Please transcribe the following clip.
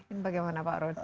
ini bagaimana pak rud